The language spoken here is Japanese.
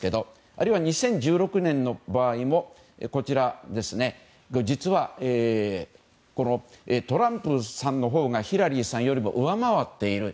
あるいは２０１６年の場合もこちら、実はトランプさんのほうがヒラリーさんよりも上回っている。